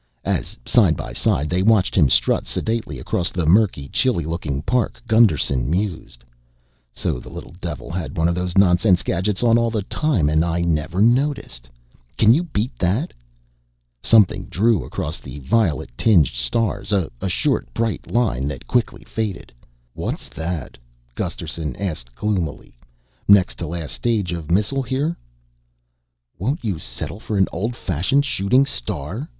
As side by side they watched him strut sedately across the murky chilly looking park, Gusterson mused, "So the little devil had one of those nonsense gadgets on all the time and I never noticed. Can you beat that?" Something drew across the violet tinged stars a short bright line that quickly faded. "What's that?" Gusterson asked gloomily. "Next to last stage of missile here?" "Won't you settle for an old fashioned shooting star?"